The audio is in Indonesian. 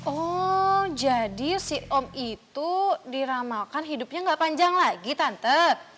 oh jadi si om itu diramakan hidupnya gak panjang lagi tantet